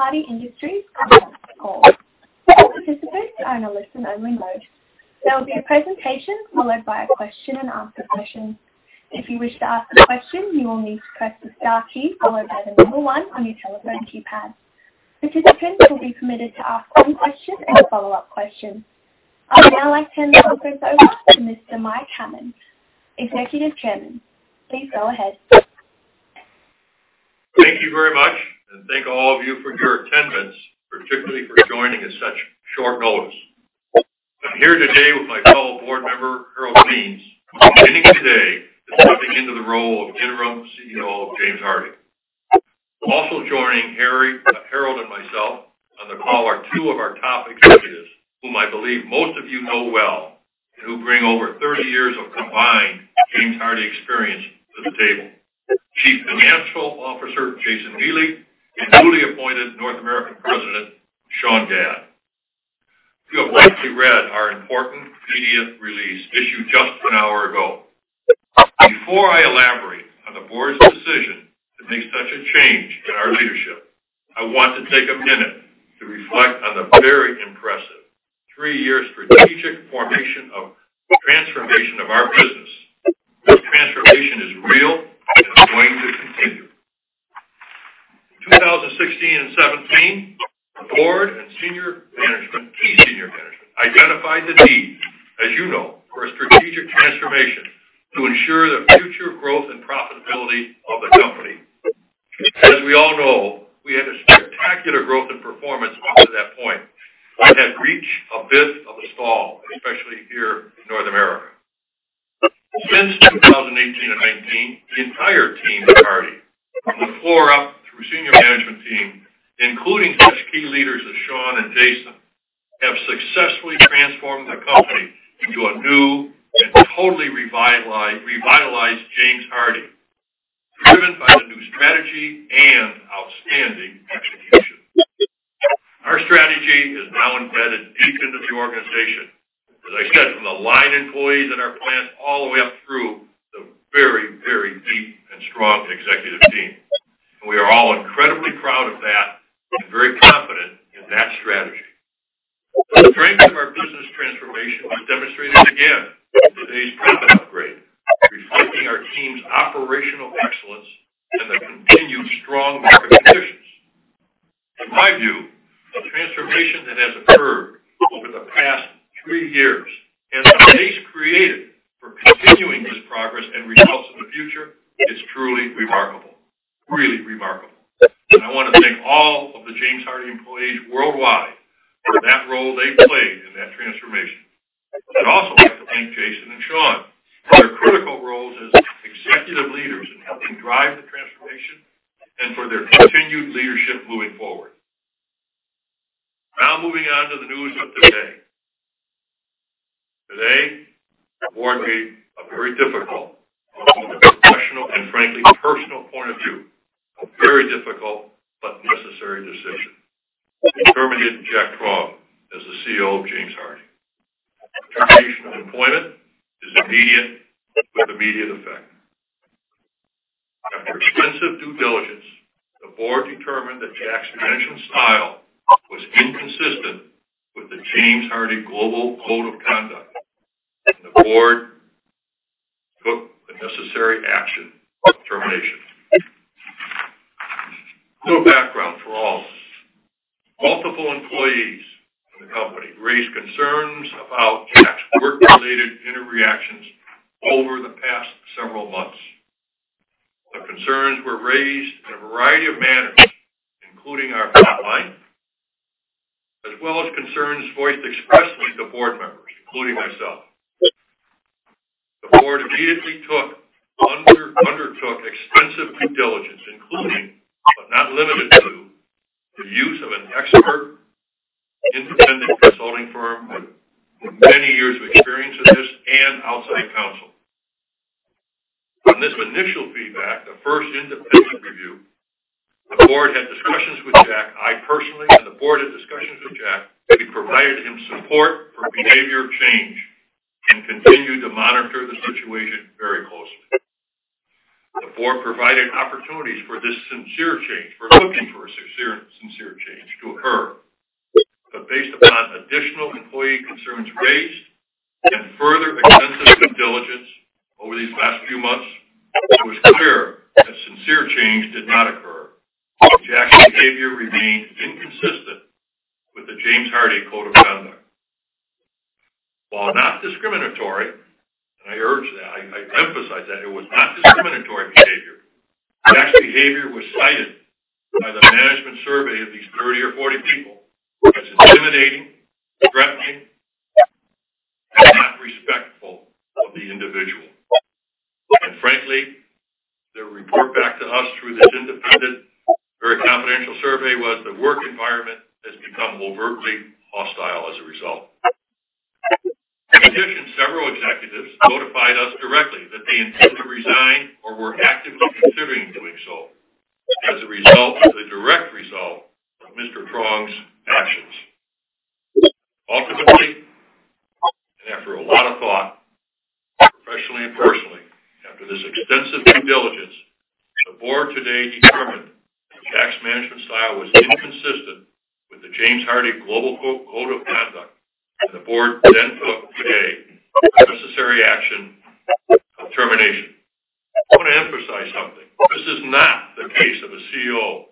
Thank you for standing by, and welcome to the James Hardie Industries conference call. All participants are in a listen-only mode. There will be a presentation, followed by a question and answer session. If you wish to ask a question, you will need to press the star key followed by the number one on your telephone keypad. Participants will be permitted to ask one question and a follow-up question. I'd now like to turn the conference over to Mr. Michael Hammes, Executive Chairman. Please go ahead. Thank you very much, and thank all of you for your attendance, particularly for joining at such short notice. I'm here today with my fellow Board member, Harold Wiens, who beginning today, is stepping into the role of Interim CEO of James Hardie. Also joining Harry, Harold and myself on the call are two of our top executives, whom I believe most of you know well, and who bring over thirty years of combined James Hardie experience to the table. Chief Financial Officer, Jason Miele, and newly appointed North American President, Sean Gadd. You have likely read our important media release, issued just an hour ago. Before I elaborate on the Board's decision to make such a change in our leadership, I want to take a minute to reflect on the very impressive three-year strategic transformation of our business. This transformation is real and going to continue. In 2016 and 2017, the Board and senior management, key senior management, identified the need, as you know, for a strategic transformation to ensure the future growth and profitability of the company. As we all know, we had a spectacular growth and performance up to that point, and had reached of the individual. And frankly, the report back to us through this independent, very confidential survey was the work environment has become overtly hostile as a result. In addition, several executives notified us directly that they intended to resign or were actively considering doing so as a result of Mr. Truong's professionally and personally, after this extensive due diligence, the Board today determined that Jack's management style was inconsistent with the James Hardie Global Code of Conduct, and the Board then took today the necessary action of termination. I want to emphasize something. This is not the case of a CEO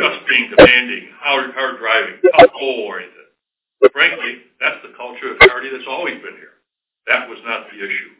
just being demanding, hard, hard driving, goal-oriented. Frankly, that's the culture of Hardie that's always been here. That was not the issue.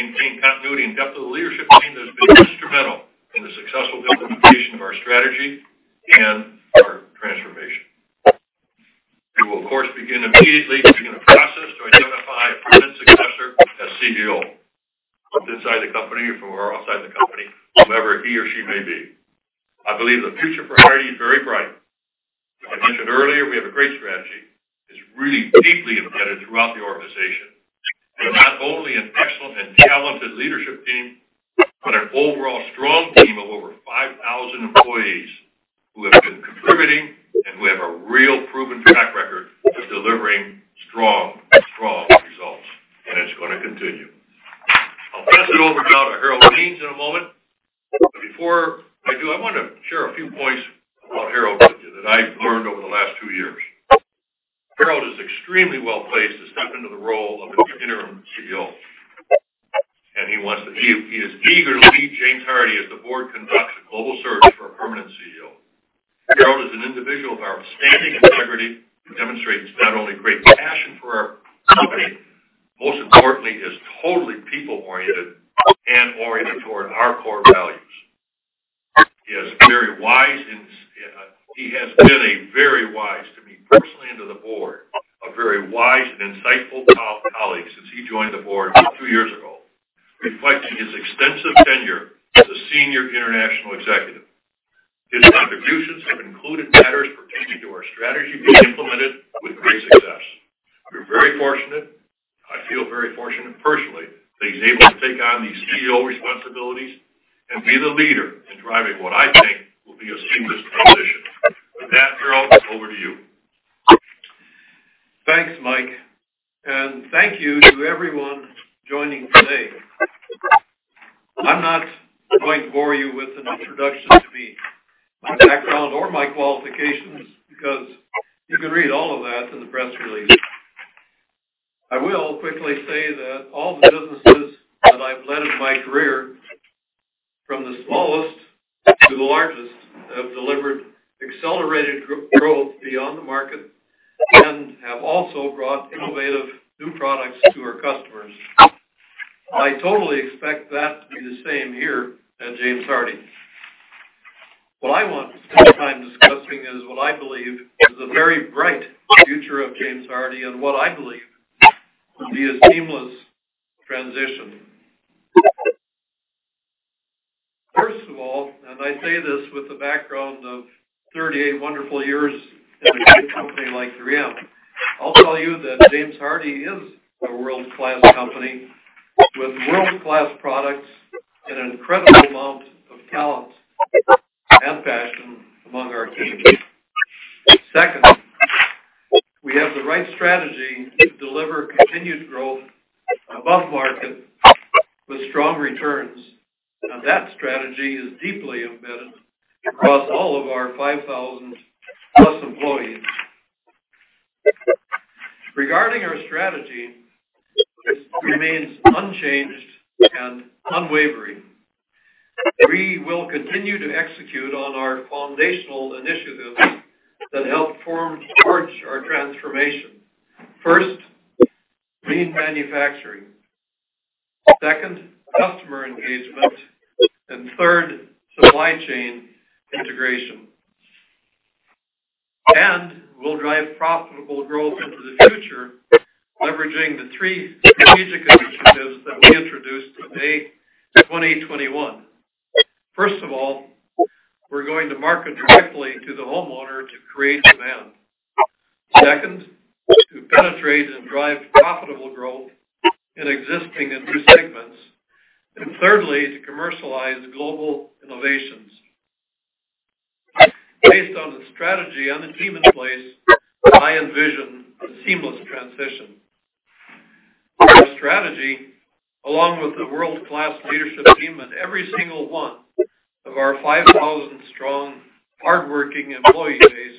maintain continuity and depth of the leadership team that has been instrumental in the successful implementation of our strategy and our transformation. We will, of course, begin immediately a process to identify a permanent successor as CEO, from inside the company or from outside the company, whomever he or she may be. I believe the future for Hardie is very bright. As I mentioned earlier, we have a great strategy. It's really deeply embedded throughout the organization, and not only an excellent and talented leadership team, but an overall strong team of over five thousand employees who have been contributing and who have a real proven track record of delivering strong, strong results, and it's going to continue. I'll pass it over now to Harold Wiens in a moment, but before I do, I want to share a few points about Harold with you that I've learned over the last two years. Harold is extremely well-placed to step into the role of an Interim CEO, and he wants to. He is eager to lead James Hardie as the Board conducts a global search for a permanent CEO. Harold is an individual of outstanding integrity, who demonstrates not only great passion for our company, most importantly, is totally people-oriented and oriented toward our core values. He is very wise and he has been a very wise to me personally and to the Board, a very wise and insightful colleague since he joined the Board about two years ago, reflecting his extensive tenure as a senior international executive. His contributions have included matters pertaining to our strategy being implemented with great success. We're very fortunate. I feel very fortunate personally, that he's able to take on these CEO responsibilities and be the leader in driving what I think will be a seamless transition. With that, Harold, over to you. Thanks, Mike, and thank you to everyone joining today. I'm not going to bore you with an introduction to me, my background or my qualifications, because you can read all of that in the press release. I will quickly say that all the businesses that I've led in my career, from the smallest to the largest, have delivered accelerated growth beyond the market and have also brought innovative new products to our customers. I totally expect that to be the same here at James Hardie. What I want to spend time discussing is what I believe is a very bright future of James Hardie and what I believe will be a seamless transition. First of all, and I say this with a background of 38 wonderful years in a great company like 3M, I'll tell you that James Hardie is a world-class company with world-class products and an incredible amount of talent and passion among our team. Second, we have the right strategy to deliver continued growth above market with strong returns, and that strategy is deeply embedded across all of our 5,000-plus employees. Regarding our strategy, it remains unchanged and unwavering. We will continue to execute on our foundational initiatives that help form, forge our transformation. First, manufacturing. Second, customer engagement, and third, supply chain integration. And we'll drive profitable growth into the future, leveraging the three strategic initiatives that we introduced in May 2021. First of all, we're going to market directly to the homeowner to create demand. Second, to penetrate and drive profitable growth in existing and new segments, and thirdly, to commercialize global innovations. Based on the strategy and the team in place, I envision a seamless transition. Our strategy, along with the world-class leadership team, and every single one of our five thousand strong, hardworking employee base,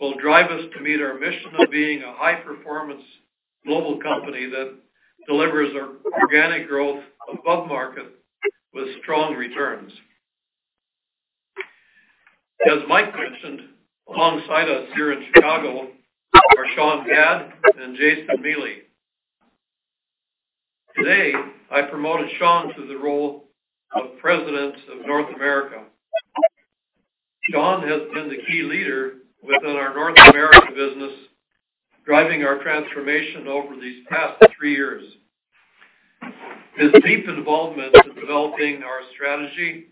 will drive us to meet our mission of being a high-performance global company that delivers our organic growth above market with strong returns. As Mike mentioned, alongside us here in Chicago, are Sean Gadd and Jason Miele. Today, I promoted Sean to the role of President of North America. Sean has been the key leader within our North American business, driving our transformation over these past three years. His deep involvement in developing our strategy,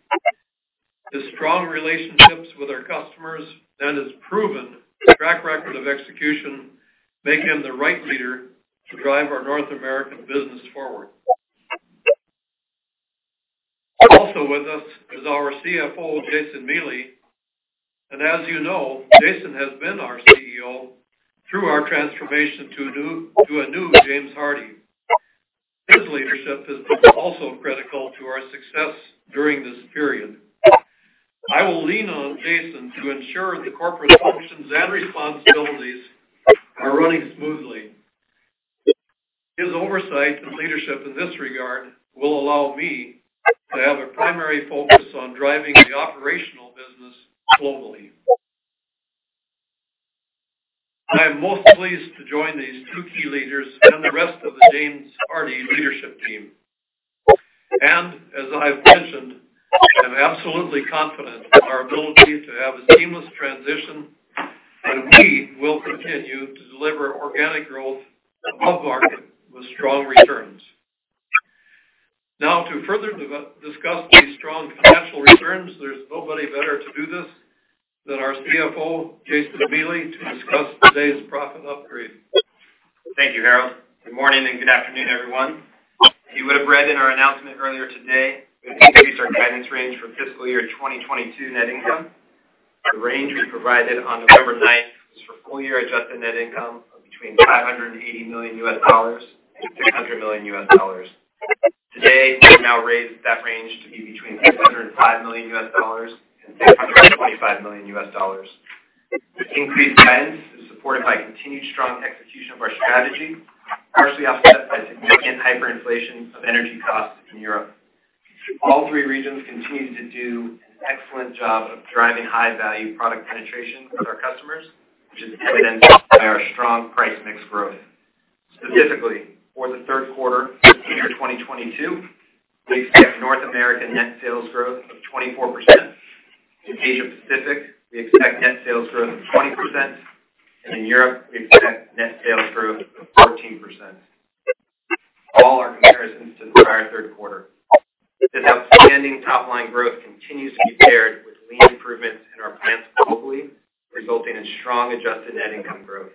his strong relationships with our customers, and his proven track record of execution, make him the right leader to drive our North American business forward. Also with us is our CFO, Jason Miele, and as you know, Jason has been our CFO through our transformation to a new James Hardie. His leadership has been also critical to our success during this period. I will lean on Jason to ensure the corporate functions and responsibilities are running smoothly. His oversight and leadership in this regard will allow me to have a primary focus on driving the operational business globally. I am most pleased to join these two key leaders and the rest of the James Hardie leadership team. As I've mentioned, I'm absolutely confident in our ability to have a seamless transition, and we will continue to deliver organic growth above market with strong returns. Now, to further discuss these strong financial returns, there's nobody better to do this than our CFO, Jason Miele, to discuss today's profit upgrade. Thank you, Harold. Good morning, and good afternoon, everyone. You would have read in our announcement earlier today that we increased our guidance range for fiscal year 2022 net income. The range we provided on November ninth was for full-year adjusted net income of between $580 million and $600 million. Today, we now raise that range to be between $605 million and $625 million. This increased guidance is supported by continued strong execution of our strategy, partially offset by significant hyperinflation of energy costs in Europe. All three regions continue to do an excellent job of driving high-value product penetration with our customers, which is evidenced by our strong Price/Mix growth. Specifically, for the third quarter of 2022, we expect North American net sales growth of 24%. In Asia Pacific, we expect net sales growth of 20%, and in Europe, we expect net sales growth of 14%. All our comparisons to the prior third quarter. This outstanding top-line growth continues to be paired with Lean improvements in our plants globally, resulting in strong adjusted net income growth.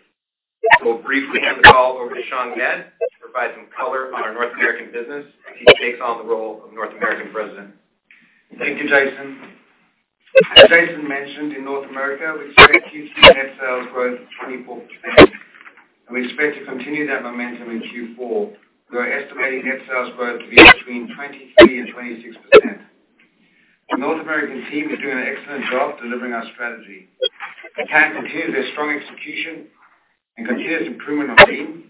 We'll briefly hand the call over to Sean Gadd to provide some color on our North American business as he takes on the role of North American President. Thank you, Jason. As Jason mentioned, in North America, we expect Q2 net sales growth of 24%, and we expect to continue that momentum in Q4. We are estimating net sales growth to be between 23% and 26%. The North American team is doing an excellent job delivering our strategy. The team continues their strong execution and continuous improvement on Lean.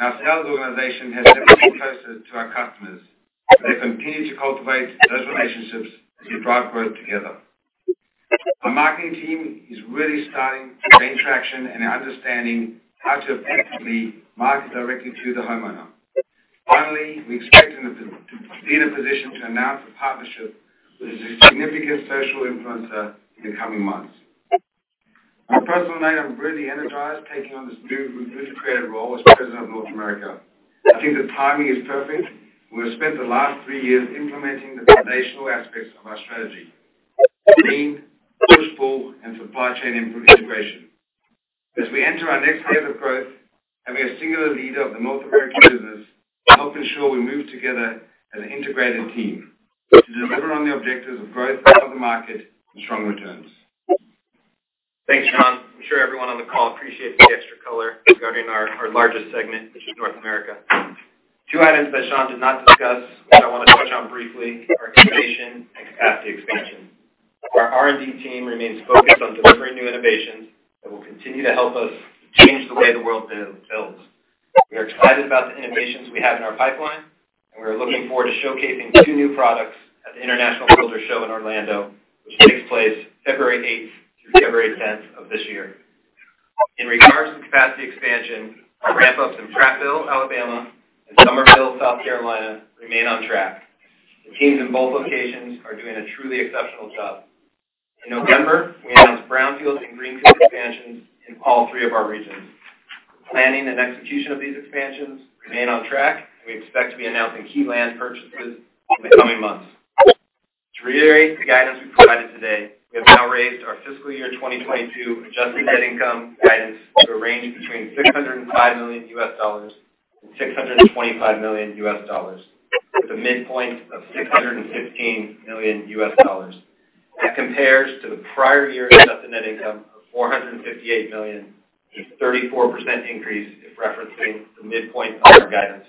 Our sales organization has never been closer to our customers. They continue to cultivate those relationships as we drive growth together. Our marketing team is really starting to gain traction and understanding how to effectively market directly to the homeowner. Finally, we expect them to be in a position to announce a partnership with a significant social influencer in the coming months. On a personal note, I'm really energized taking on this new, newly created role as President of North America. I think the timing is perfect. We have spent the last three years implementing the foundational aspects of our strategy: Lean, Push/Pull, and supply chain integration. As we enter our next phase of growth, having a singular leader of the North American business will help ensure we move together as an integrated team to deliver on the objectives of growth above the market and strong returns. Thanks, Sean. I'm sure everyone on the call appreciates the extra color regarding our largest segment, which is North America. Two items that Sean did not discuss, which I want to touch on briefly, are innovation and capacity expansion. Our R&D team remains focused on delivering new innovations that will continue to help us change the way the world builds. We are excited about the innovations we have in our pipeline, and we're looking forward to showcasing two new products at the International Builders' Show in Orlando, February eighth through February tenth of this year. In regards to capacity expansion, our ramp-ups in Prattville, Alabama, and Summerville, South Carolina, remain on track. The teams in both locations are doing a truly exceptional job. In November, we announced brownfield and greenfield expansions in all three of our regions. The planning and execution of these expansions remain on track, and we expect to be announcing key land purchases in the coming months. To reiterate the guidance we provided today, we have now raised our fiscal year 2022 Adjusted Net Income guidance to a range between $605 million and $625 million, with a midpoint of $615 million. That compares to the prior year Adjusted Net Income of $458 million, a 34% increase if referencing the midpoint of our guidance.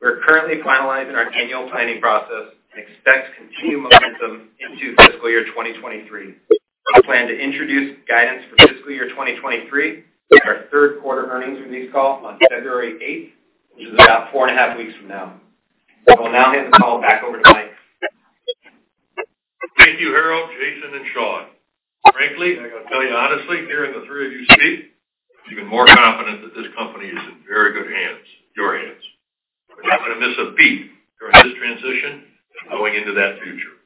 We're currently finalizing our annual planning process and expect continued momentum into fiscal year 2023. We plan to introduce guidance for fiscal year 2023 in our third quarter earnings release call on February eighth, which is about four and a half weeks from now. I will now hand the call back over to Mike. Thank you, Harold, Jason, and Sean. Frankly, I gotta tell you honestly, hearing the three of you speak, I'm even more confident that this company is in very good hands, your hands. We're not going to miss a beat during this transition and going into that future.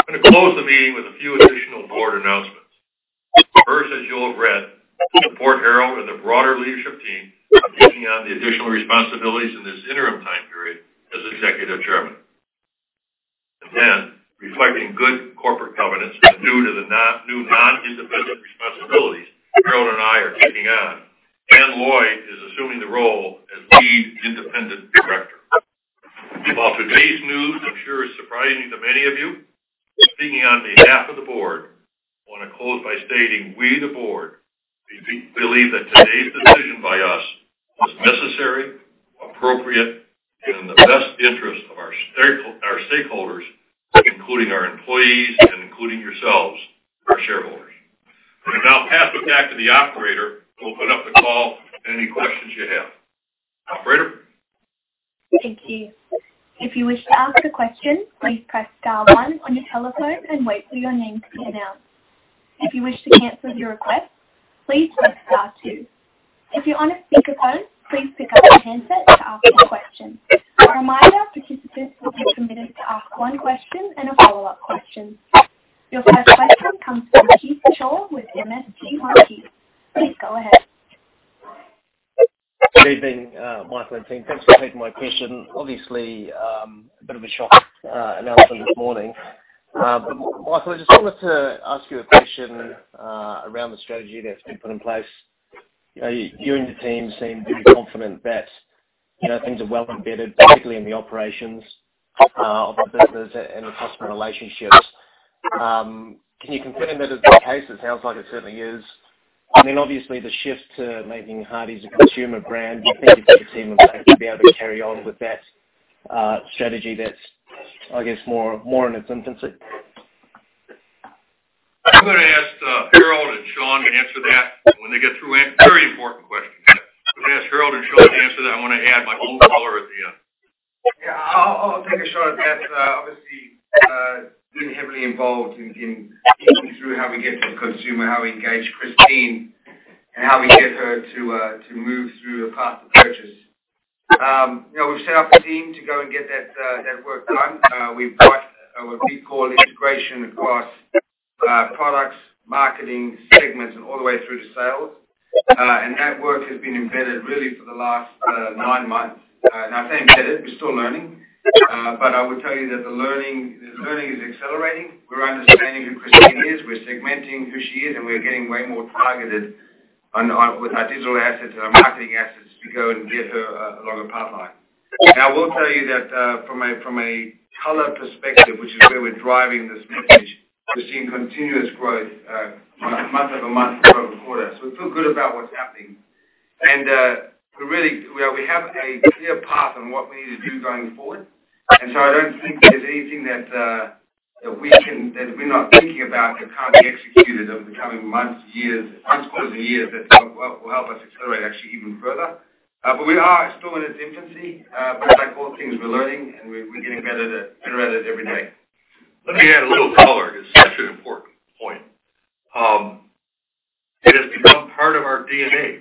I'm going to close the meeting with a few additional Board announcements. First, as you'll have read, we support Harold and the broader leadership team on taking on the additional responsibilities in this interim time period as Executive Chairman, and then, reflecting good corporate governance and due to the no new non-independent responsibilities Harold and I are taking on, Anne Lloyd is assuming the role as Lead Independent Director. While today's news, I'm sure, is surprising to many of you, speaking on behalf of the Board, I want to close by stating, we, the Board, believe that today's decision by us was necessary, appropriate, and in the best interest of our stakeholders, including our employees and including yourselves, our shareholders. I'll now pass it back to the operator to open up the call to any questions you have. Operator? Thank you. If you wish to ask a question, please press star one on your telephone and wait for your name to be announced. If you wish to cancel your request, please press star two. If you're on a speakerphone, please pick up your handset to ask a question. A reminder, participants will be permitted to ask one question and a follow-up question. Your first question comes from Keith Chau with MST Financial. Please go ahead. Good evening, Michael and team. Thanks for taking my question. Obviously, a bit of a shock announcement this morning. But Michael, I just wanted to ask you a question, around the strategy that's been put in place. You and your team seem to be confident that, you know, things are well embedded, basically in the operations, of the business and the customer relationships. Can you confirm that is the case? It sounds like it certainly is. I mean, obviously, the shift to making Hardie’s a consumer brand, you think the team will be able to carry on with that, strategy that's, I guess, more in its infancy? I'm going to ask Harold and Sean to answer that when they get through. Very important question. I'm going to ask Harold and Sean to answer that. I want to add my own color at the end. Yeah, I'll take a shot at that. Obviously, been heavily involved in thinking through how we get to the consumer, how we engage Christine, and how we get her to move through the path to purchase. You know, we've set up a team to go and get that work done. We've brought what we call integration across products, marketing segments, and all the way through to sales. And that work has been embedded, really, for the last nine months. And I say embedded, we're still learning, but I would tell you that the learning is accelerating. We're understanding who Christine is, we're segmenting who she is, and we're getting way more targeted with our digital assets and our marketing assets to go and get her along the pathway. Now, I will tell you that from a color perspective, which is where we're driving this message, we're seeing continuous growth month over month, quarter over quarter. So we feel good about what's happening, and we're really... We have a clear path on what we need to do going forward, and so I don't think there's anything that we're not thinking about that can't be executed over the coming months, years, months, quarters, and years that will help us accelerate, actually, even further. But we are still in its infancy. But like all things, we're learning, and we're getting better at it every day. Let me add a little color to such an important point. It has become part of our DNA,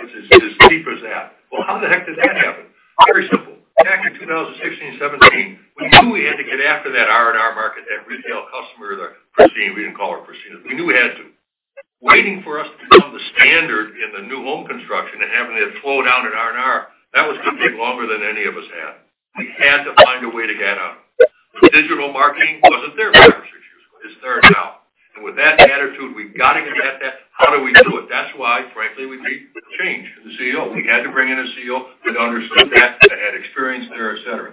which is as deep as that. Well, how the heck did that happen? Very simple. Back in 2016, 2017, we knew we had to get after that R&R market, that retail customer, the Christine. We didn't call her Christine. We knew we had to. Waiting for us to become the standard in the new home construction and having it flow down at R&R, that was going to take longer than any of us had. We had to find a way to get out. Digital marketing wasn't there five or six years ago. It's there now, and with that attitude, we've got to get at that. How do we do it? That's why, frankly, we need change in the CEO. We had to bring in a CEO who'd understood that, that had experience there, et cetera,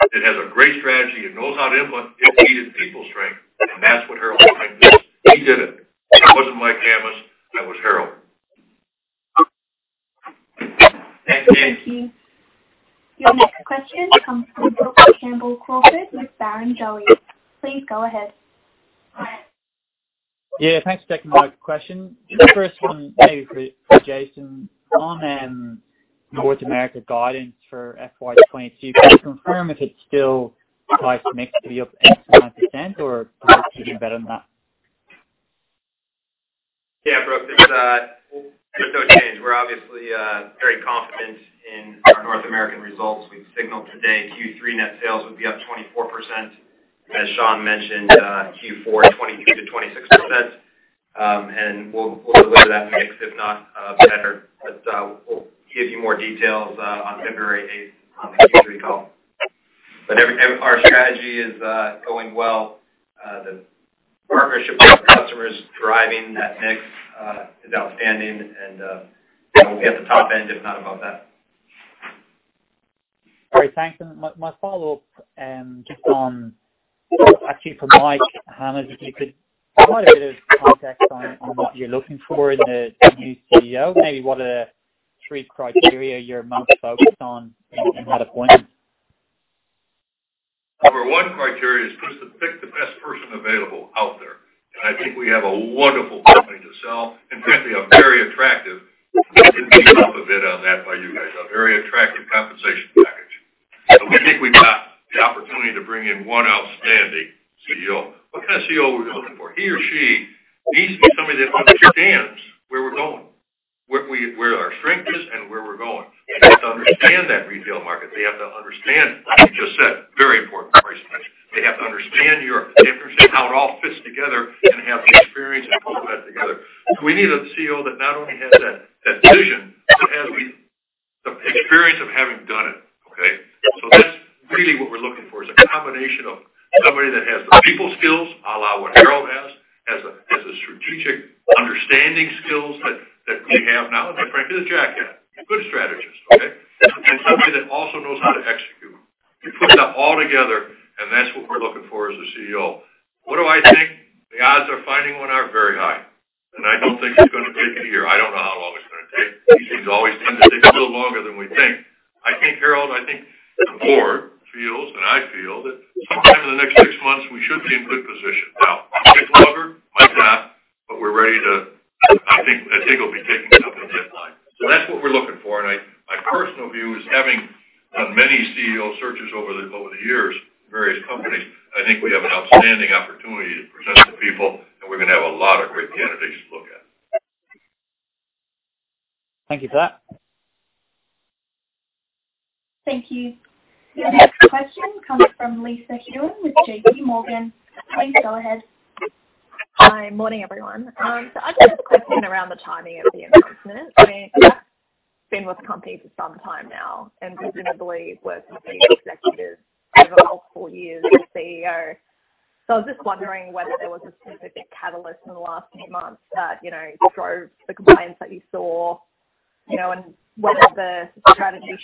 It has a great strategy and knows how to implement. It needed people strength, and that's what Harold brings. He did it. It wasn't Mike Hammes. That was Harold. Thank you. Your next question comes from Brook Campbell-Corbett with Barrenjoey. Please go ahead. Yeah, thanks for taking my question. The first one maybe for Jason. On North America guidance for FY 2022, can you confirm if it's still Price/Mix to be up 8%-9%, or could it be better than that? Yeah, Brook, it's. There's no change. We're obviously very confident in our North American results. We've signaled today Q3 net sales will be up 24%, as Sean mentioned, Q4, 22%-26%. And we'll deliver that mix, if not better. But we'll give you more details on February eighth on the Q3 call. But our strategy is going well. The partnership with customers driving that mix is outstanding and, you know, we're at the top end, if not above that. All right, thanks. And my, my follow-up, just on actually for Mike Hammes, if you could provide a bit of context on, on what you're looking for in the, the new CEO, maybe what are three criteria you're most focused on in, in that appointment? Number one criteria is just to pick the best person available out there. And I think we have a wonderful company to sell, and frankly, a very attractive bid on that by you guys, a very attractive compensation package. So we think we've got the opportunity to bring in one outstanding CEO. What kind of CEO are we looking for? He or she needs to be somebody that understands where we're going, where we, where our strength is, and where we're going. They have to understand that retail market. They have to understand, like you just said, very important price point. They have to understand your difference and how it all fits together and have the experience of pulling that together. So we need a CEO that not only has that, that vision, but has the, the experience of having done it, okay? So that's really what we're looking for is a combination of somebody that has the people skills, à la what Harold has,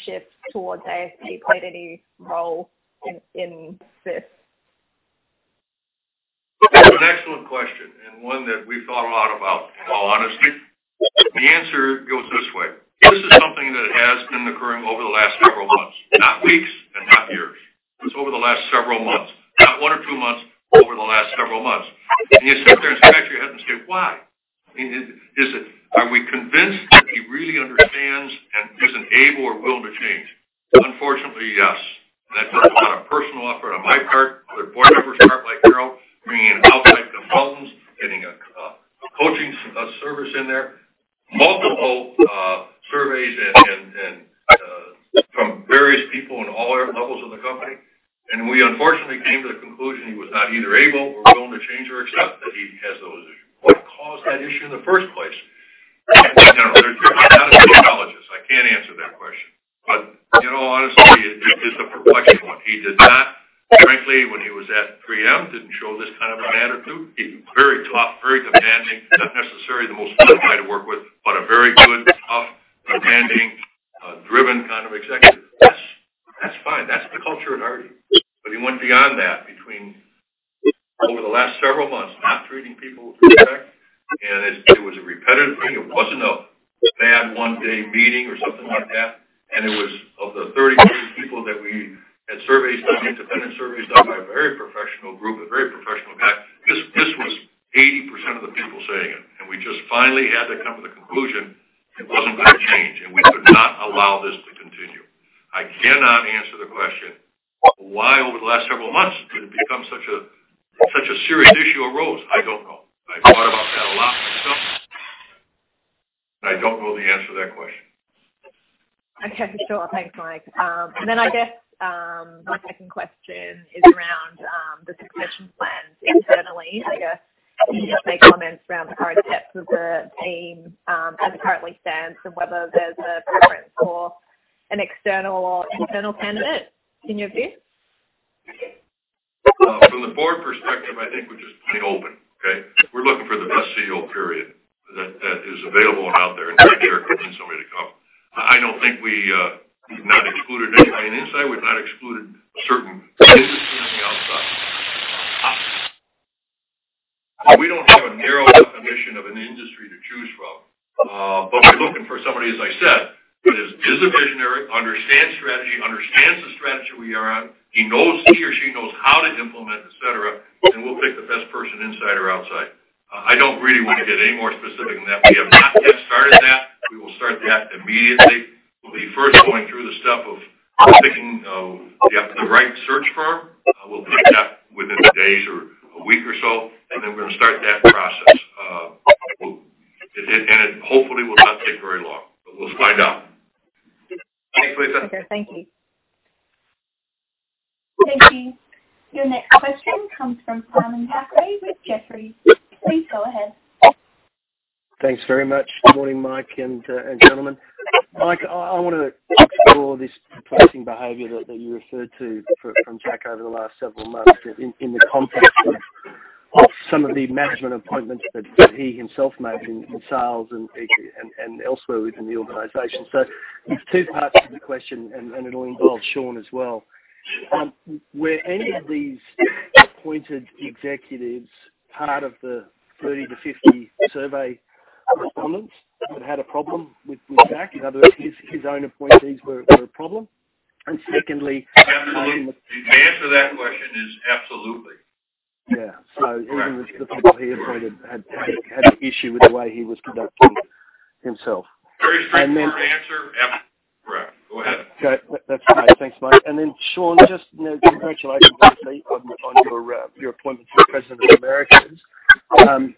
shift towards ASP played any role in this? That's an excellent question and one that we thought a lot about, in all honesty. The answer goes this way: This is something that has been occurring over the last several months, not weeks, that, that is available and out there, and bringing somebody to come. I don't think we, we've not excluded anybody inside. We've not excluded a certain industry on the outside. We don't have a narrow definition of an industry to choose from, but we're looking for somebody, as I said, who is, is a visionary, understands strategy, understands the strategy we are on. He knows- he or she knows how to implement, et cetera, and we'll pick the best person, inside or outside. I, I don't really want to get any more specific than that. We have not yet started that. We will start that immediately. We'll be first going through the step of picking, the, the right search firm. We'll pick that within the days or a week or so, and then we're going to start that process. And it hopefully will not take very long, but we'll find out. Thanks, Lisa. Okay, thank you. Thank you. Your next question comes from Simon Thackray with Jefferies. Please go ahead. Thanks very much. Good morning, Mike and gentlemen. Mike, I want to explore this pricing behavior that you referred to from Jack over the last several months, in the context of some of the management appointments that he himself made in sales and elsewhere within the organization. So there's two parts to the question, and it'll involve Sean as well. Were any of these appointed executives part of the 30 to 50 survey respondents who had a problem with Jack? In other words, his own appointees were a problem. And secondly- The answer to that question is absolutely. Yeah. Correct. So even the people he appointed had an issue with the way he was conducting himself. Very straightforward answer. Correct. Go ahead. Okay, that's fine. Thanks, Mike. And then, Sean, just, you know, congratulations on your appointment to the President of North America.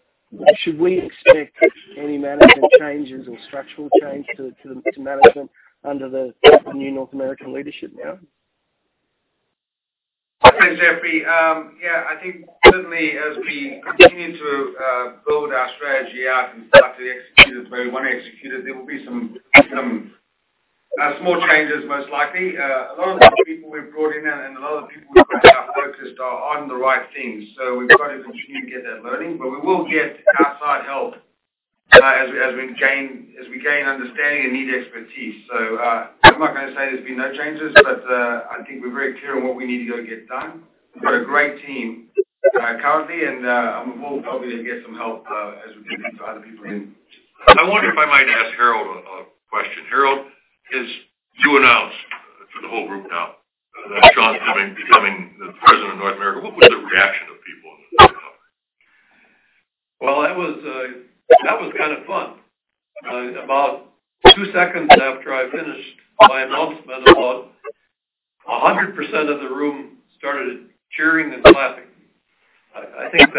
Should we expect any management changes or structural change to management under the new North American leadership now? Thanks, Thackray. Yeah, I think certainly as we continue to build our strategy out and start to execute it the way we want to execute it, there will be some small changes, most likely. A lot of the people we've brought in, and a lot of people we have focused are on the right things. So we've got to continue to get that learning, but we will get outside help as we gain understanding and need expertise. So, I'm not going to say there's been no changes, but I think we're very clear on what we need to go get done. We've got a great team currently, and we'll probably get some help as we do to other people in. I wonder if I might ask Harold a question. Harold, as you announced to the whole group now, that Sean's becoming the President of North America, what was the reaction of people in the company? Well, that was, that was kind of fun. About two seconds after I finished my announcement, about 100% of the room started cheering and clapping. I think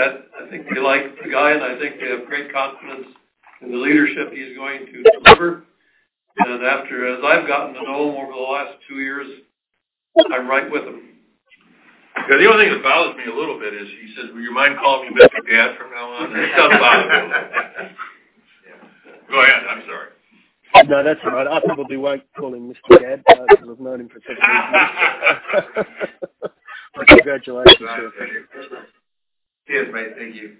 they like the guy, and I think they have great confidence in the leadership he's going to deliver. And after, as I've gotten to know him over the last two years, I'm right with them. The only thing that bothers me a little bit is he says, "Well, you mind calling me Mr. Gadd from now on?" Go ahead, I'm sorry. No, that's all right. I probably won't call him Mr. Gadd, because I've known him for so many years. Congratulations to you. Cheers, mate. Thank you.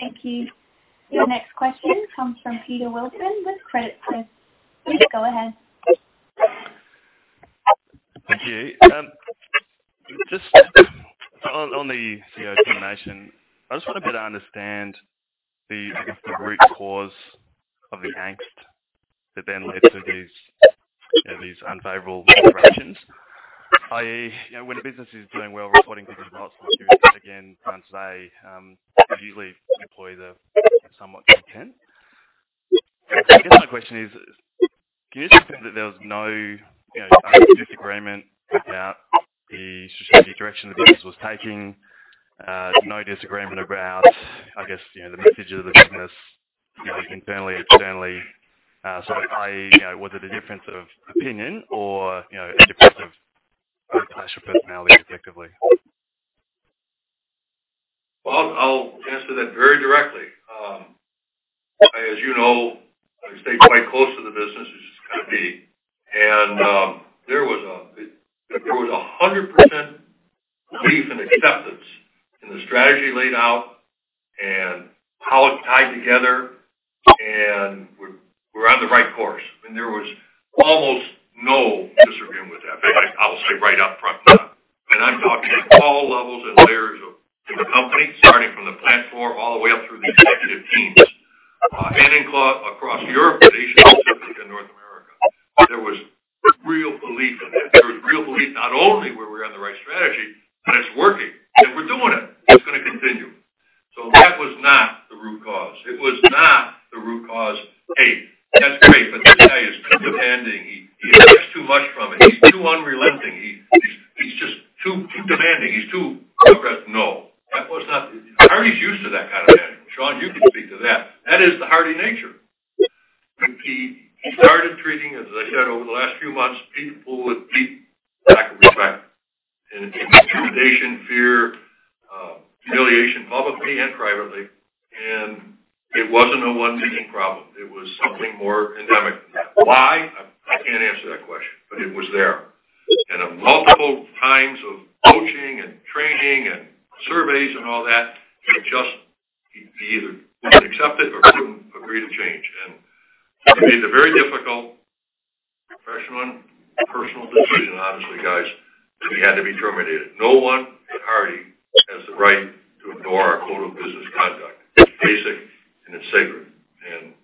Thank you. Your next question comes from Peter Wilson with Credit Suisse. Please go ahead. Thank you. Just on the CEO termination, I just want to better understand the, I guess, the root cause of the angst that then led to these unfavorable decisions. I, you know, when a business is doing well, reporting good results, again, trying to say, we usually, employees are somewhat content. The other question is, can you just say that there was no disagreement about the strategic direction the business was taking, no disagreement about, I guess, you know, the message of the business, you know, internally or externally? So I, you know, was it a difference of opinion or, you know, a difference of personality, effectively? I'll answer that very directly. As you know, I stay quite close to the business, as you got to be, and there was 100% belief and acceptance in the strategy laid out and how it tied together, and we're on the right course. And there was almost no disagreement with that, I will say right up front. And I'm talking at all levels and layers of the company, starting from the platform all the way up through the executive teams. We're on the right strategy, and it's working, and we're doing it. It's going to continue. So that was not the root cause. It was not the root cause. Hey, that's great, but this guy is too demanding. He expects too much from it. He's too unrelenting. He is just too demanding. He's too aggressive. No, that was not. Hardie's used to that kind of management. Sean, you can speak to that. That is the Hardie nature. He started treating, as I said, over the last few months, people with deep lack of respect and intimidation, fear, humiliation, publicly and privately. And it wasn't a one-person problem. It was something more endemic than that. Why? I can't answer that question, but it was there. And of multiple times of coaching and training and surveys and all that, it just, he either wouldn't accept it or couldn't agree to change. And it made a very difficult professional and personal decision, honestly, guys, that he had to be terminated. No one at Hardie has the right to ignore our code of business conduct. It's basic, and it's sacred, and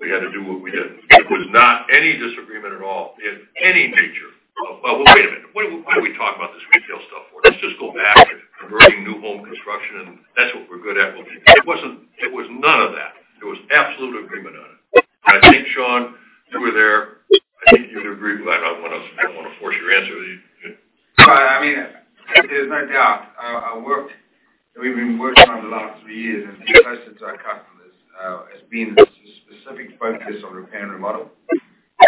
we had to do what we did. It was not any disagreement at all in any nature. Well, wait a minute. What, why are we talking about this retail stuff for? Let's just go back to converting new home construction, and that's what we're good at. It wasn't... It was none of that. It was absolute agreement on it. I think, Sean, you were there. I think you'd agree, but I don't want to, I don't want to force your answer with you. I mean, there's no doubt. I worked, we've been working on the last three years, and because it's our customers has been a specific focus on repair and remodel,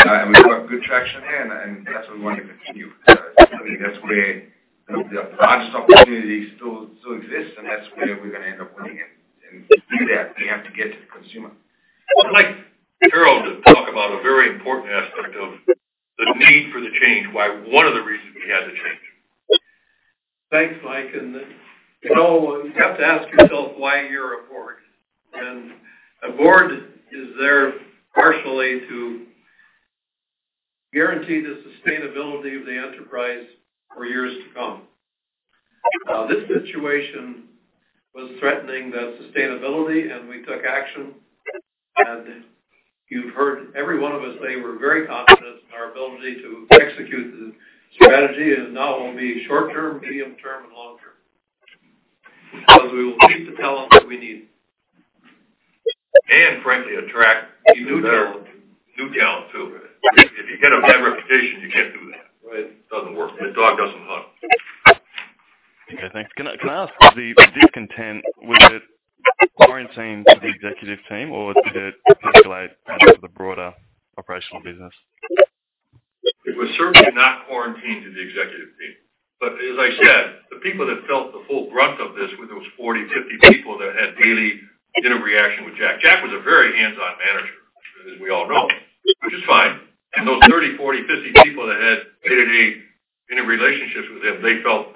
and we've got good traction there, and that's what we want to continue. I think that's where the large opportunity still exists, and that's where we're going to end up winning, and to do that, we have to get to the consumer. I'd like Harold to talk about a very important aspect of the need for the change, why one of the reasons we had to change. Thanks, Mike, and well, you have to ask yourself why you're a Board, and a Board is there partially to guarantee the sustainability of the enterprise for years to come. This situation was threatening the sustainability, and we took action, and you've heard every one of us say we're very confident in our ability to execute the strategy, and not only short term, medium term, and long term, because we will keep the talent that we need. And frankly, attract new talent, new talent, too. If you get a bad reputation, you can't do that. Right. It doesn't work. The dog doesn't hunt. Okay, thanks. Can I, can I ask, the discontent, was it quarantined to the executive team, or did it percolate out to the broader operational business? It was certainly not quarantined to the executive team, but as I said, the people that felt the full brunt of this were those 40-50 people that had daily interaction with Jack. Jack was a very hands-on manager, as we all know, which is fine, and those 30, 40, 50 people that had day-to-day relationships with him, they felt,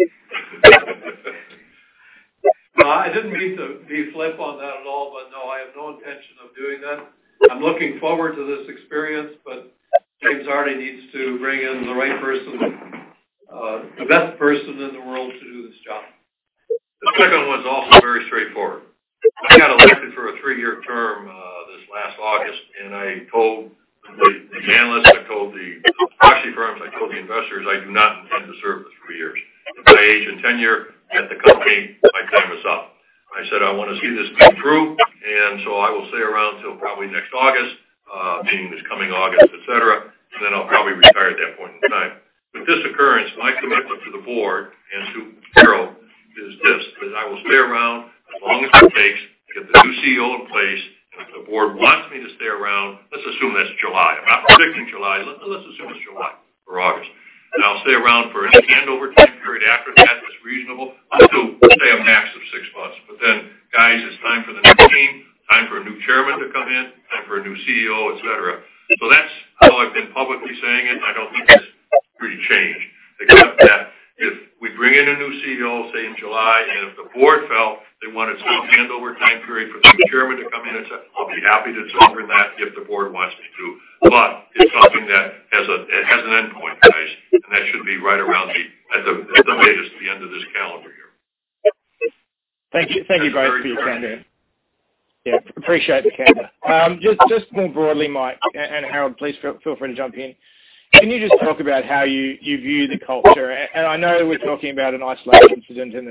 Oh. No, I didn't mean to be flip on that at all, but no, I have no intention of doing that. I'm looking forward to this experience, but James already needs to bring in the right person, the best person in the world to do this job. The second one's also very straightforward. I got elected for a three-year term, this last August, and I told the, the analysts, I told the proxy firms, I told the investors I do not intend to serve the three years. By age and tenure at the company, my time is up. I said, "I want to see this thing through, and so I will stay around till probably next August," meaning this coming August, et cetera, "and then I'll probably retire at that point in time." With this occurrence, my commitment to the Board and to Harold is this, that I will stay around as long as it takes to get the new CEO in place. And if the Board wants me to stay around, let's assume that's July. I'm not predicting July. Let's assume it's July or August. I'll stay around for any handover time period after that, that's reasonable, up to, let's say, a max of six months. But then, guys, it's time for the new team, time for a new chairman to come in, time for a new CEO, et cetera. So that's how I've been publicly saying it. I don't think this pretty changed, except that if we bring in a new CEO, say, in July, and if the Board felt they want a soft handover time period for the new chairman to come in, et cetera, I'll be happy to deliver that if the Board wants me to. But it's something that has a, it has an endpoint, guys, and that should be right around the, at the latest, the end of this calendar year. Thank you. Thank you both for your candor. Yeah, appreciate the candor. Just more broadly, Mike, and Harold, please feel free to jump in. Can you just talk about how you view the culture? And I know we're talking about an isolated incident, and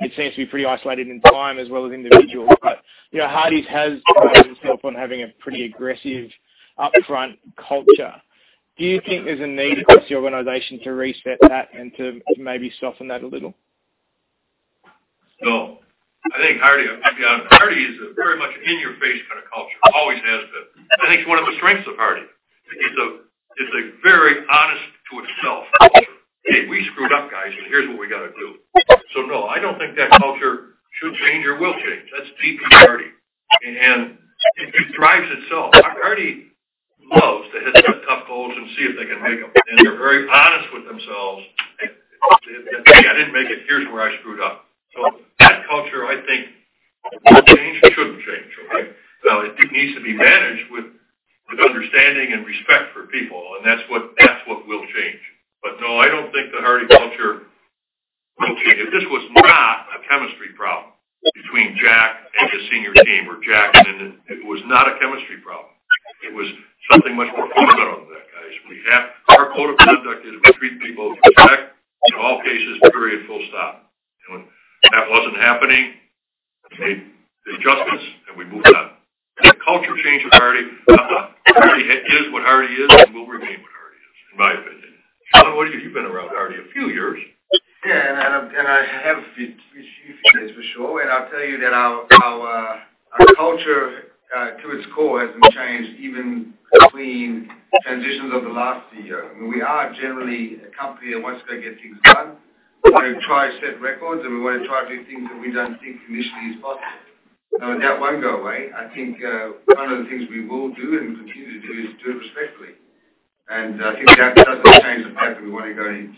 it seems to be pretty isolated in time as well as individual. But, you know, Hardie's has prided itself on having a pretty aggressive upfront culture. Do you think there's a need across the organization to reset that and to maybe soften that a little? No. I think Hardie, I mean, Hardie is very much an in your face kind of culture. Always has been. I think it's one of the strengths of Hardie. It's a, it's a very honest to itself culture. "Hey, we screwed up, guys, and here's what we got to do." So, no, I don't think that culture should change or will change. That's deeply Hardie, and it drives itself. Hardie loves to hit the tough goals and see if they can make them. And they're very honest with themselves. "Hey, I didn't make it. Here's where I screwed up." So that culture, I think, won't change and shouldn't change, okay? Now, it needs to be managed with, with understanding and respect for people, and that's what, that's what will change. But no, I don't think the Hardie culture... Okay, if this was not a chemistry problem between Jack and his senior team, or Jack and then it was not a chemistry problem, it was something much more fundamental than that, guys. We have our Code of Conduct, and we treat people with respect in all cases, period. Full stop. And when that wasn't happening, we made the adjustments and we moved on. The culture change with Hardie is what Hardie is and will remain what Hardie is, in my opinion. Harold, what do you think? You've been around Hardie a few years. Yeah, and I have a few years, for sure. And I'll tell you that our culture to its core hasn't changed even between transitions of the last CEO. We are generally a company that wants to get things done. We want to try to set records, and we want to try to do things that we don't think initially is possible. Now, that won't go away. I think one of the things we will do and continue to do is do it respectfully. And I think that doesn't change the fact that we want to go and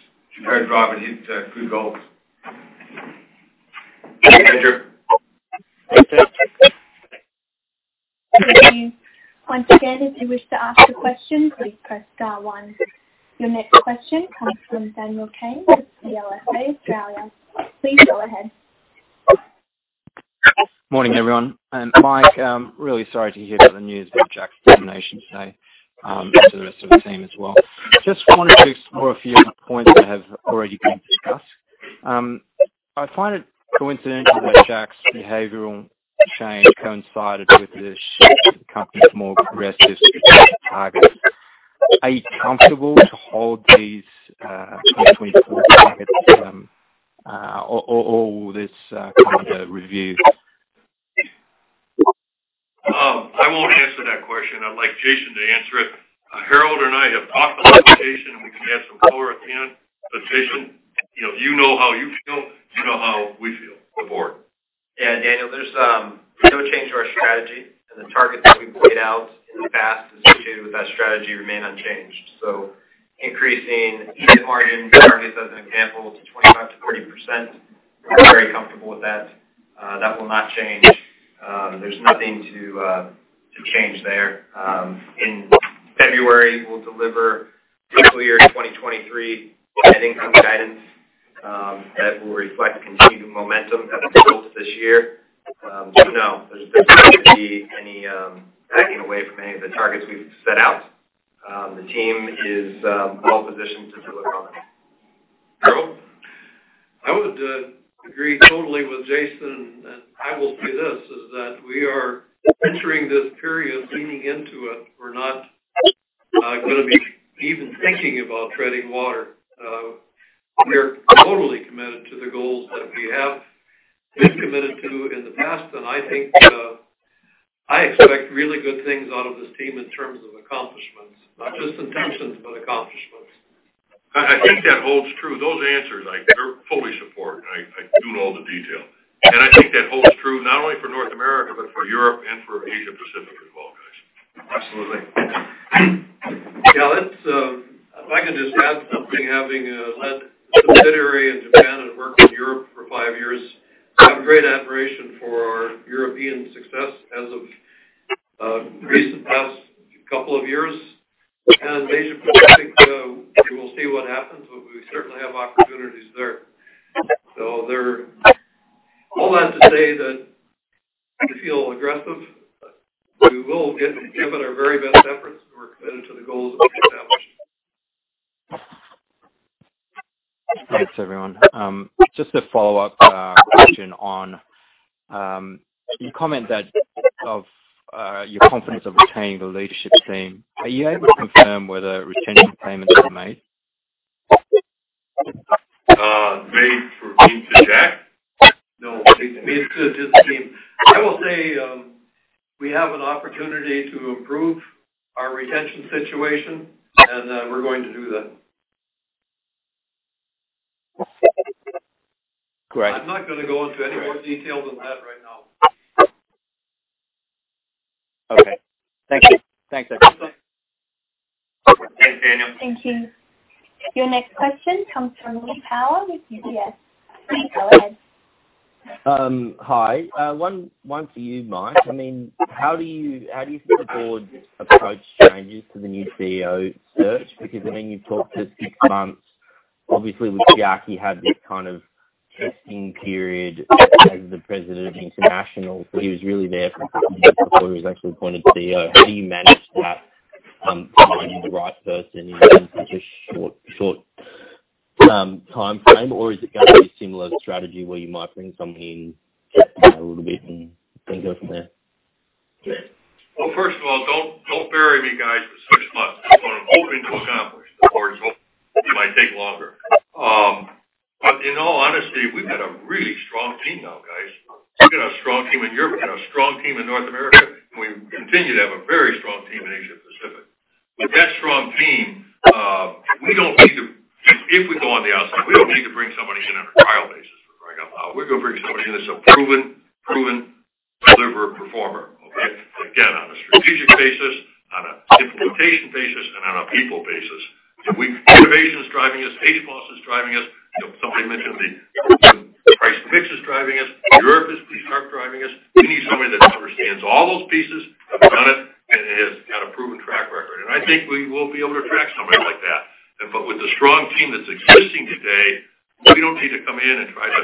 drive and hit good goals. Thank you. Thank you. Once again, if you wish to ask a question, please press star one. Your next question comes from Daniel Kang with CLSA Australia. Please go ahead. Morning, everyone. Mike, I'm really sorry to hear the news about Jack's termination today, and to the rest of the team as well. Just wanted to explore a few points that have already been discussed. I find it coincidental that Jack's behavioral change coincided with the shift to the company's more aggressive targets. Are you comfortable to hold these 2024 targets, or will this come under review? I won't answer that question. I'd like Jason to answer it. Harold and I have talked a lot to Jason, and we can add some color at the end. But Jason, you know how you feel, you know how we feel, the Board. Yeah, Daniel, there's no change to our strategy. And the targets that we've laid out in the past associated with that strategy remain unchanged. So increasing EBITDA margin targets, as an example, to 25%-30%. We're very comfortable with that. That will not change. There's nothing to change there. In February, we'll deliver fiscal year 2023 net income guidance that will reflect the continued momentum that we built this year. So no, there's not going to be any backing away from any of the targets we've set out. The team is well positioned to deliver on it. Harold? I would agree totally with Jason, and I will say this, is that we are entering this period leaning into it. We're not going to be even thinking about treading water. We are totally committed to the goals that we have been committed to in the past. And I think, I expect really good things out of this team in terms of accomplishments, not just intentions, but accomplishments. I think that holds true. Those answers, I fully support, and I do know the detail, and I think that holds true not only for North America, but for Europe and for Asia Pacific as well, guys. Absolutely. Yeah, let's, if I can just add something, having led a subsidiary in Japan and worked in Europe for five years, I have great admiration for our European success as of recent past couple of years. And Asia Pacific, we will see what happens, but we certainly have opportunities there. So there. All that to say that we feel aggressive. We will give it our very best efforts, and we're committed to the goals that we established. Thanks, everyone. Just a follow-up question on you commented that of your confidence of retaining the leadership team. Are you able to confirm whether retention payments were made? A message from me to Jack? No, made to the team. I will say, we have an opportunity to improve our retention situation, and we're going to do that. Great. I'm not going to go into any more detail than that right now. Okay. Thank you. Thanks, everyone. Thanks, Daniel. Thank you. Your next question comes from Lee Power with UBS. Please go ahead. Hi. One for you, Mike. I mean, how do you think the Board's approach changes to the new CEO search? Because I know you've talked this six months. Obviously, with Jack, he had this kind of testing period as the President of International, so he was really there for a couple of months before he was actually appointed CEO. How do you manage that, finding the right person in such a short timeframe? Or is it going to be a similar strategy where you might bring someone in a little bit and then go from there? Well, first of all, don't, don't bury me, guys, for six months. I'm hoping to accomplish before, it might take longer. But in all honesty, we've got a really strong team now, guys. We've got a strong team in Europe, we've got a strong team in North America, and we continue to have a very strong team in Asia Pacific. With that strong team, we don't need to, if we go on the outside, we don't need to bring somebody in on a trial basis. We're going to bring somebody in that's a proven deliverer, performer, okay? Again, on a strategic basis, on a implementation basis, and on a people basis. Innovation is driving us, HMS is driving us. Somebody mentioned the Price/Mix is driving us, Europe is sharply driving us. We need somebody that understands all those pieces, have done it, and has got a proven track record. And I think we will be able to attract somebody like that. But with the strong team that's existing today, we don't need to come in and try to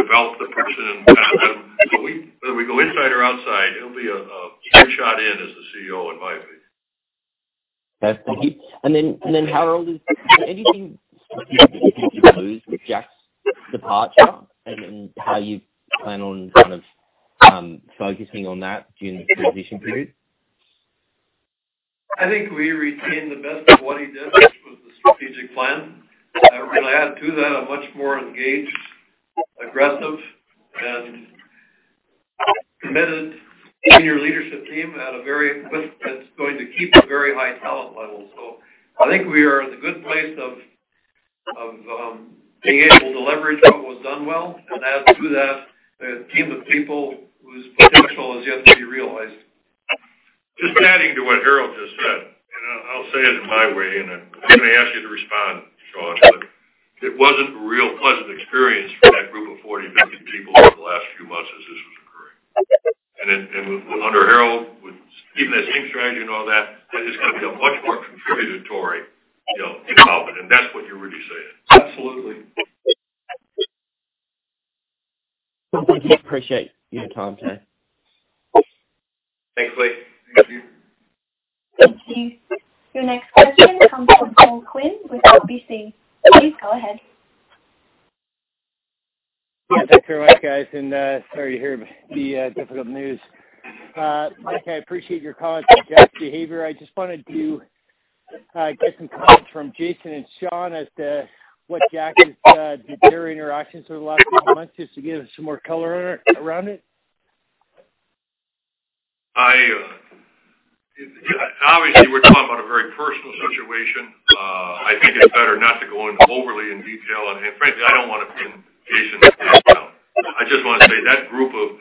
develop the person and have them. So whether we go inside or outside, it'll be a shoo-in as the CEO, in my view. Okay, thank you. And then, Harold, is there anything with Jack's departure and how you plan on kind of focusing on that during the transition period? I think we retain the best of what he did, which was the strategic plan, and I add to that a much more engaged, aggressive, and committed senior leadership team that's going to keep a very high talent level, so I think we are in a good place of being able to leverage what was done well and add to that a team of people whose potential is yet to be realized. Just adding to what Harold just said, and I'll say it in my way, and I'm going to ask you to respond, Sean, but it wasn't a real pleasant experience for that group of 40 million people over the last few months as this was occurring, and, and under Harold, with even that same strategy and all that, it's going to be a much more contributory, you know, involvement, and that's what you're really saying. Absolutely. Thank you. Appreciate your time today. Thanks, Lee. Thank you. Thank you. Your next question comes from Paul Quinn with RBC. Please go ahead. Thanks very much, guys, and sorry to hear the difficult news. Mike, I appreciate your comments on Jack's behavior. I just wanted to get some comments from Jason and Sean as to their interactions over the last few months, just to give some more color on it, around it. I obviously we're talking about a very personal situation. I think it's better not to go into overly in detail, and frankly, I don't want to pin Jason as well. I just want to say that group of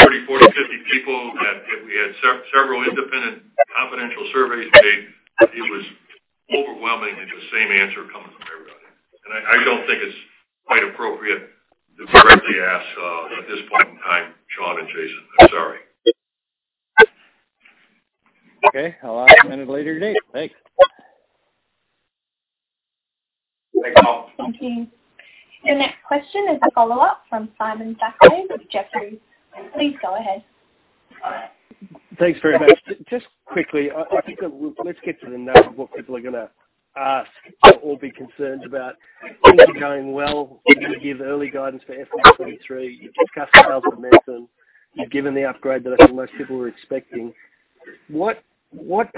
thirty, forty, fifty people, that we had several independent, confidential surveys made, it was overwhelmingly the same answer coming from everybody. I don't think it's quite appropriate to directly ask at this point in time, Sean and Jason. I'm sorry. Okay, I'll ask another later date. Thanks. Thanks, Paul. Thank you. Your next question is a follow-up from Simon Thackray with Jefferies. Please go ahead. Thanks very much. Just, just quickly, I think let's get to the heart of what people are gonna ask or be concerned about. Things are going well. You give early guidance for FY2023. You discussed sales and marketing. You've given the upgrade that I think most people were expecting. What, what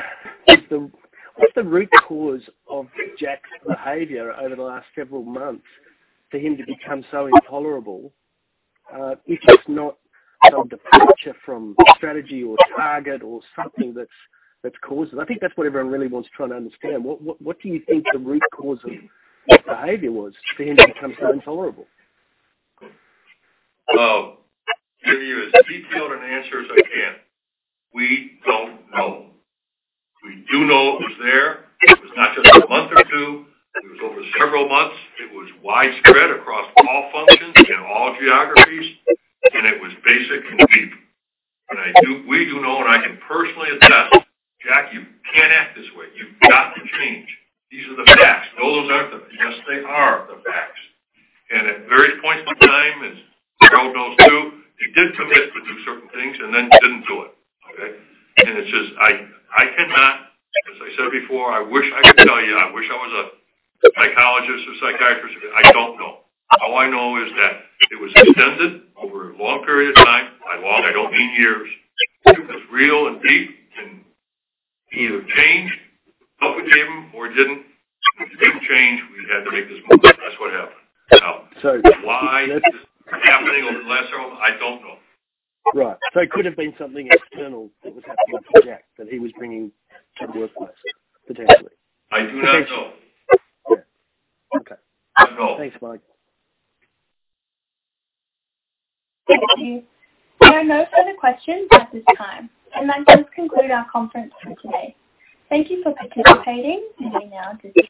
is the, what's the root cause of Jack's behavior over the last several months for him to become so intolerable? If it's not a departure from strategy or target or something that's, that's caused it. I think that's what everyone really wants to try to understand. What, what, what do you think the root cause of his behavior was for him to become so intolerable? Give you as detailed an answer as I can. We don't know. We do know it was there. It was not just a month or two, it was over several months. It was widespread across all functions and all geographies, and it was basic and deep. And we do know, and I can personally attest, Jack, you can't act this way. You've got to change. These are the facts. No, those aren't the... Yes, they are the facts. And at various points in time, as Harold knows, too, he did commit to do certain things and then didn't do it. Okay? And it's just, I cannot, as I said before, I wish I could tell you. I wish I was a psychologist or psychiatrist. I don't know. All I know is that it was extended over a long period of time. By long, I don't mean years. It was real and deep, and he either changed how we came or didn't. If he didn't change, we had to make this move. That's what happened. Now So Why it was happening over the last year, I don't know. Right. So it could have been something external that was happening to Jack, that he was bringing to the workplace, potentially? I do not know. Okay. I don't know. Thanks, Mike. Thank you. There are no further questions at this time. And that does conclude our conference for today. Thank you for participating, you may now disconnect.